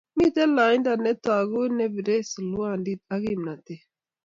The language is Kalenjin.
mito laindo ne togu ne berei salwondi ak kimnatet